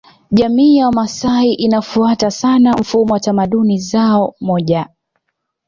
Jamii ya Wamasai inafuata sana mfumo wa tamaduni zao moja